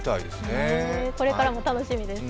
これからも楽しみです。